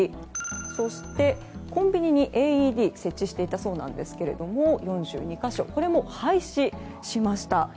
そして、コンビニにＡＥＤを設置していたそうなんですが４２か所、これも廃止しました。